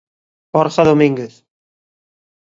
Borja Domínguez.